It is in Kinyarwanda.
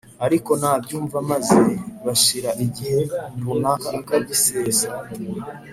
Ariko nabyumva maze hashira igihe runaka akabisesa